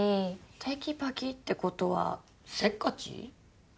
テキパキってことはせっかち？